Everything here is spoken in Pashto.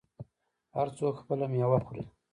هر څوک خپله میوه خوري.